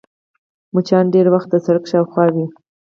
مچان ډېری وخت د سړک شاوخوا وي